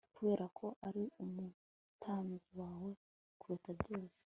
Kuberako ari umutambyi wawe kuruta byose